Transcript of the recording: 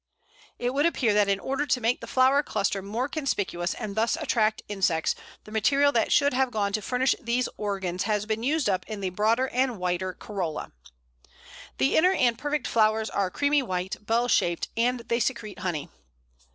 It would appear that in order to make the flower cluster more conspicuous, and thus attract insects, the material that should have gone to furnish these organs has been used up in the broader and whiter corolla. The inner and perfect flowers are creamy white, bell shaped, and they secrete honey.